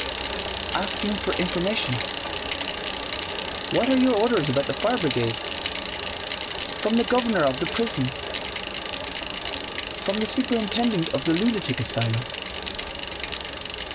asking for information.... What are your orders about the Fire Brigade? From the governor of the prison... from the superintendent of the lunatic asylum..."